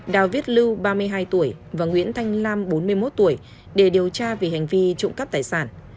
đào viết lưu ba mươi hai tuổi và nguyễn thanh lam bốn mươi một tuổi để điều tra về hành vi trộm cắp tài sản